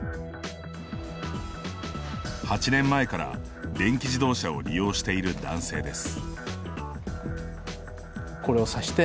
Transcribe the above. ８年前から電気自動車を利用している男性です。